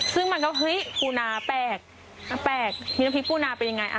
ซึ่งมันก็เฮ้ยปูนาแปลกมีน้ำพริกปูนาเป็นยังไง